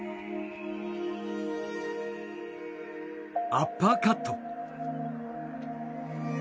アッパーカット。